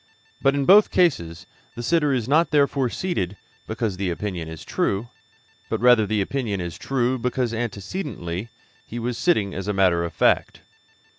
But in both cases the sitter is not therefore seated because the opinion is true, but rather the opinion is true because antecedently he was sitting as a matter of fact.